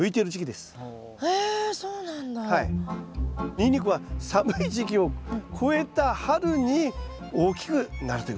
ニンニクは寒い時期を越えた春に大きくなるということです。